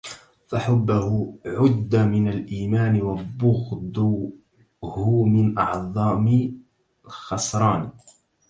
فحبه عُدَّ من الإيمان وبُغْضُه من أعظمِ الخسرانِ